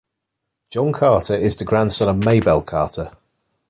John Carter is the grandson of Maybelle Carter.